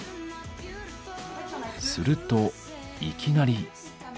するといきなり。